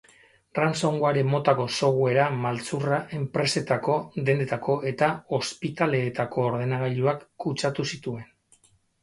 Ransomware motako software maltzurra enpresetako, dendetako eta ospitaleetako ordenagailuak kutsatu zituen.